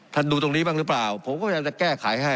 ดูตรงนี้บ้างหรือเปล่าผมพยายามจะแก้ไขให้